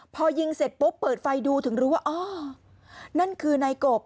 พอยิงเสร็จปุ๊บเปิดไฟดูถึงรู้ว่าอ๋อนั่นคือนายกบ